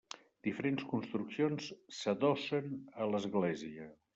Diferents construccions s'adossen a l'església.